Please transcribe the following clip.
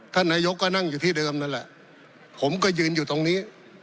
ท่านนายกก็นั่งอยู่ที่เดิมนั่นแหละผมก็ยืนอยู่ตรงนี้